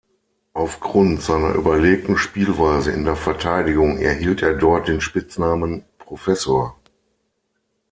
Auf Grund seiner überlegten Spielweise in der Verteidigung erhielt er dort den Spitznamen "Professor".